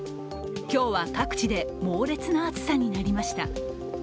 今日は各地で猛烈な暑さになりました。